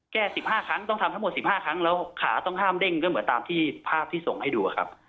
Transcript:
๑๕ครั้งต้องทำทั้งหมด๑๕ครั้งแล้วขาต้องห้ามเด้งก็เหมือนตามที่ภาพที่ส่งให้ดูครับ